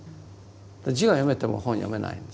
字が読めても本読めないんです。